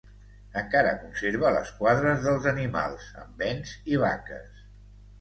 Encara conserva les quadres dels animals, amb bens i vaques.